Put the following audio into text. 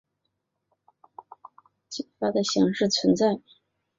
魏尔费米子在凝聚体物理学里以准粒子激发的形式存在。